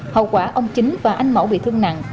hậu quả ông chính và anh mẫu bị thương nặng